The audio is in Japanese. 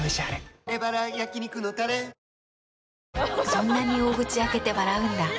そんなに大口開けて笑うんだ。